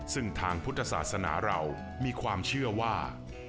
ซึ่งทางพุทธศาสนาเรามีความเชื่อว่า